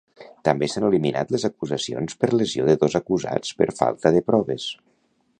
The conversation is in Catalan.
També s'han eliminat les acusacions per lesió de dos acusats per falta de proves.